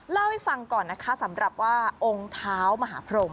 เล่าให้ฟังก่อนนะคะสำหรับว่าองค์เท้ามหาพรม